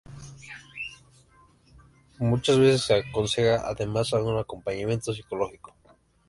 Muchas veces se aconseja además un acompañamiento psicológico.